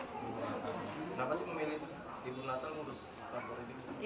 kenapa sih pemilih